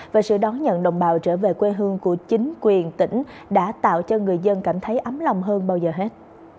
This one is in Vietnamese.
và sự đón nhận đồng bào trở về quê hương của chính quyền tỉnh đã tạo cho người dân cảm thấy ấm lòng hơn bao giờ hết